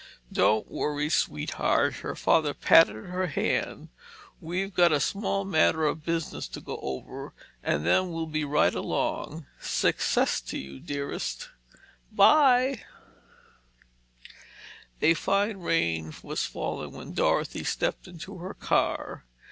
"Don't worry, sweetheart." Her father patted her hand. "We've got a small matter of business to go over and then we'll be right along. Success to you, dearest." "'Bye!" A fine rain was falling when Dorothy stepped into her car.